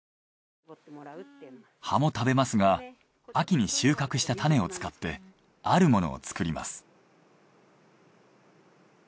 葉も食べますが秋に収穫した種を使ってあるものを作ります。